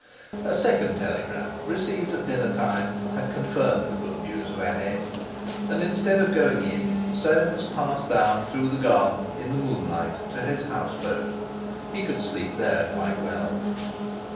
A second telegram, received at dinner time, had confirmed the good news of Annette, and, instead of going in, Soames passed down through the garden in the moonlight to his houseboat. He could sleep there quite well.